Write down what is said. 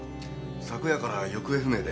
昨夜から行方不明で。